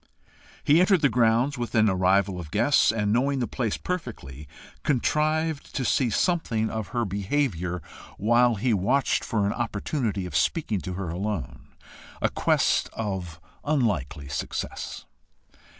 He entered the grounds with an arrival of guests, and knowing the place perfectly, contrived to see something of her behaviour, while he watched for an opportunity of speaking to her alone, a quest of unlikely success.